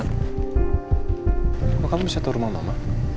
apa kamu bisa turun ke rumah mama